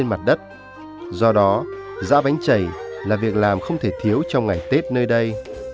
sau đó dã bánh chảy là việc làm không thể thiếu trong ngày tết nơi đây